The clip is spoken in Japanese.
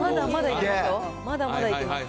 まだまだいけますよ。